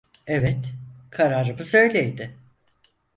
Evet, kararımız öyleydi.